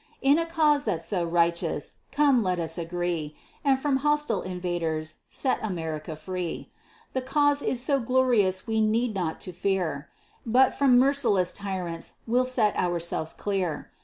In a cause that's so righteous, come let us agree, And from hostile invaders set America free, The cause is so glorious we need not to fear But from merciless tyrants we'll set ourselves clear.